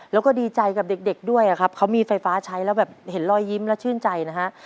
แล้วก็ดีใจกับเด็กด้วยอะครับเขามีไฟฟ้าใช้แล้วแบบเห็นรอยยิ้มแล้วชื่นใจนะฮะ